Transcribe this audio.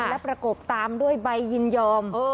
และประกบตามด้วยใบยินยอม